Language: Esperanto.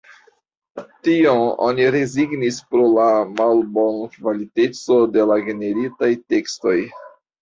Tion oni rezignis pro la malbonkvaliteco de la generitaj tekstoj.